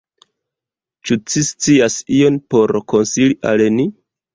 Ĉu ci scias ion por konsili al ni?